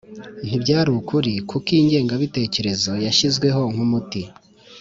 ntibyari ukuri kuko iyi ngenga-bitekerezo yashyizweho nk' umuti